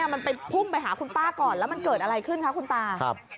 มันไปพุ่งไปหาคุณป้าก่อนแล้วมันเกิดอะไรขึ้นคะคุณตา